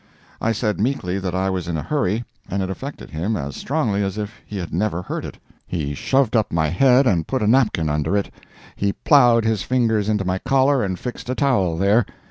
I said meekly that I was in a hurry, and it affected him as strongly as if he had never heard it. He shoved up my head and put a napkin under it. He ploughed his fingers into my collar and fixed a towel there.